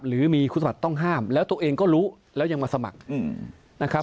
หรือมีคุณสมัครต้องห้ามแล้วตัวเองก็รู้แล้วยังมาสมัครนะครับ